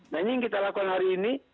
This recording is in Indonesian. nah ini yang kita lakukan hari ini